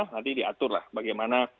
nanti diatur lah bagaimana